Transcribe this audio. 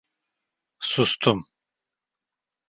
Sustum.